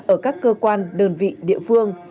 ở các cơ quan đơn vị địa phương